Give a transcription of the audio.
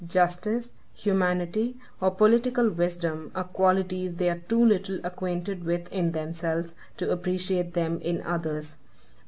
Justice, humanity, or political wisdom, are qualities they are too little acquainted with in themselves, to appreciate them in others.